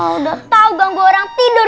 udah tau ganggu orang tidur